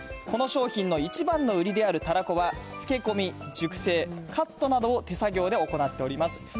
この商品の一番の売りであるたらこは、漬け込み、熟成、カットなどを手作業で行っております。